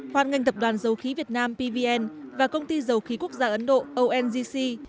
hoàn ngành tập đoàn dầu khí việt nam pvn và công ty dầu khí quốc gia ấn độ ongc